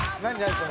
それ。